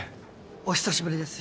お久しぶりです